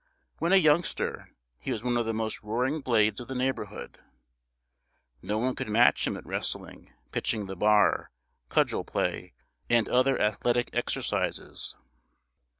When a youngster, he was one of the most roaring blades of the neighbourhood. No one could match him at wrestling, pitching the bar, cudgel play, and other athletic exercises.